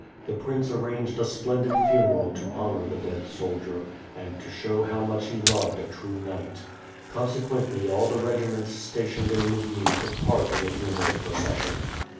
The prince arranged a splendid funeral to honor the dead soldier, and to show how much he loved a true knight. Consequently all the regiments sta 74 ^777/ FIRE AM) fsWORD. tionc'd in Lul)ni took part in the funeral procession.